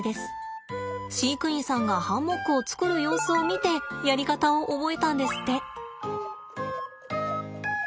飼育員さんがハンモックを作る様子を見てやり方を覚えたんですって。